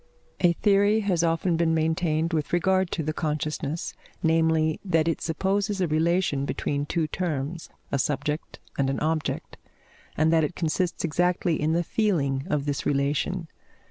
A theory has often been maintained with regard to the consciousness; namely, that it supposes a relation between two terms a subject and an object, and that it consists exactly in the feeling of this relation.